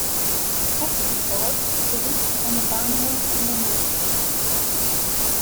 Hatzenport besitzt einen Bahnhof an der Moselstrecke.